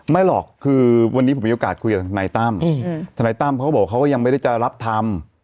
ไม่หรอกคือวันนี้ผมมีโอกาสคุยกับทนายตั้มทนายตั้มเขาก็บอกเขาก็ยังไม่ได้จะรับทำ